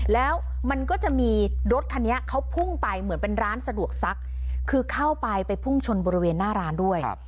แล้วมันก็จะมีรถคันนี้เขาพุ่งไปเหมือนเป็นร้านสะดวกซักคือเข้าไปไปพุ่งชนบริเวณหน้าร้านด้วย